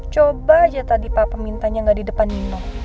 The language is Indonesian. coba aja tadi papa mintanya gak di depan nino